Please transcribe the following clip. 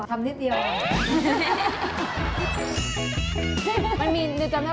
ทำที่เดียวอะไร